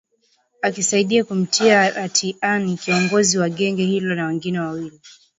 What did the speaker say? akisaidia kumtia hatiani kiongozi wa genge hilo na wengine wawili